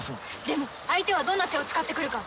でも相手はどんな手を使ってくるか。